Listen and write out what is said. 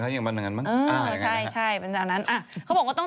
ชอบฮีพอปตั้งจากสมัยก่อน